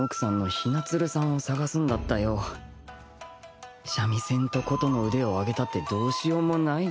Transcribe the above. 三味線と琴の腕を上げたってどうしようもないだろうよ